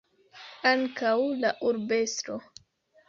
Ankaŭ la urbestro.